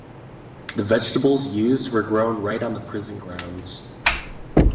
The vegetables used were grown right on the prison grounds.